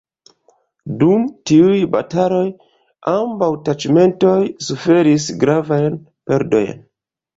Dum tiuj bataloj ambaŭ taĉmentoj suferis gravajn perdojn.